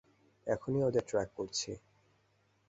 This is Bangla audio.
এখনই ওদের ট্র্যাক করছি।